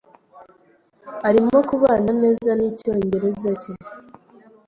Arimo kubana neza nicyongereza cye.